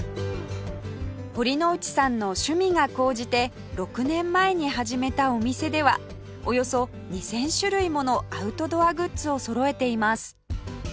堀之内さんの趣味が高じて６年前に始めたお店ではおよそ２０００種類ものアウトドアグッズをそろえています